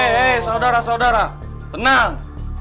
hei saudara saudara tenang